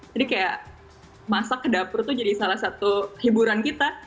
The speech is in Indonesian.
jadi kayak masak ke dapur tuh jadi salah satu hiburan kita